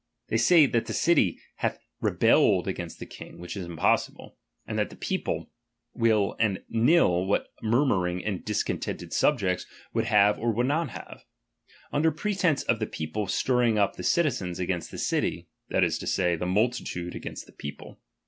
They say, that the city hath rebelled against the king (which is impossible), and that the people will and niU what murmuring and discontented subjects would have or would not have ; under pre tence of the people stirring up the citizens against the city, that is to say, the multitude against the people.